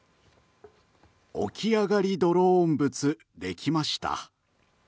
起き上がりドローン仏像できました。